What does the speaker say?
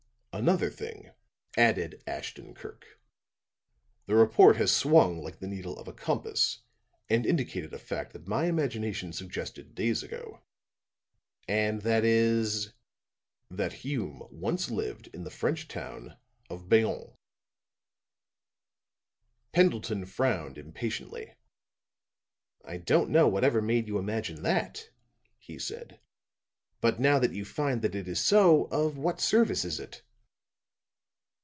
"Another thing," added Ashton Kirk: "The report has swung like the needle of a compass, and indicated a fact that my imagination suggested days ago." "And that is " "That Hume once lived in the French town of Bayonne." Pendleton frowned impatiently. "I don't know what ever made you imagine that," he said. "But now that you find that it is so, of what service is it?"